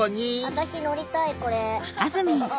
私乗りたいこれ。